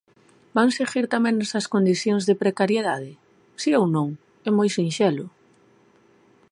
¿Van seguir tamén nesas condicións de precariedade?, ¿si ou non? É moi sinxelo.